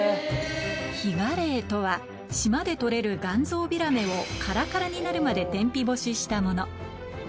ヒガレイとは島で獲れるガンゾウビラメをカラカラになるまで天日干ししたもの